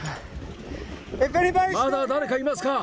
まだ誰かいますか？